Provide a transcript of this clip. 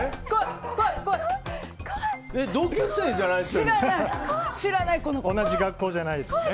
同級生じゃないですよね。